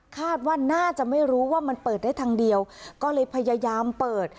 คาดว่าน่าจะไม่รู้ว่ามันเปิดได้ทางเดียวก็เลยพยายามเปิด